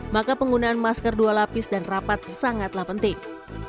maka penggunaan masker dua lapis dan rapat sangatlah penting